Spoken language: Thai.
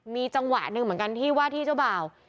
มีจังหวะหนึ่งเหมือนกันที่ว่าที่เจ้าบ่าว